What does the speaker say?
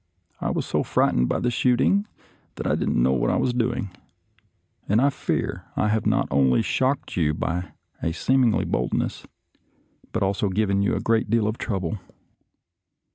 I was so frightened by the shooting that I didn't know what I was doing, and I fear I have not only shocked you by a seeming boldness but also given you a great deal of trouble."